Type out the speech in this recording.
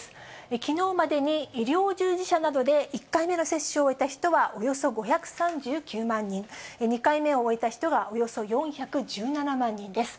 きのうまでに医療従事者などで１回目の接種を終えた人は同じ５３９万人、２回目を終えた人がおよそ４１７万人です。